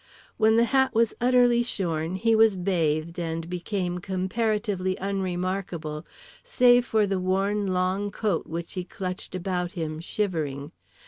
When The Hat was utterly shorn, he was bathed and became comparatively unremarkable, save for the worn long coat which he clutched about him, shivering.